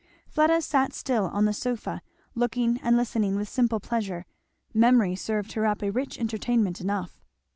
Fleda sat still on the sofa, looking and listening with simple pleasure; memory served her up a rich entertainment enough.